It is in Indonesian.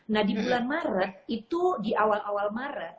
nah di bulan maret itu di awal awal maret